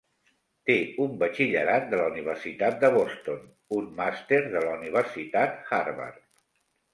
Té un batxillerat de la Universitat de Boston, un màster de la Universitat Harvard.